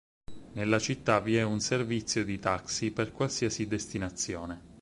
Nella città vi è un servizio di taxi per qualsiasi destinazione.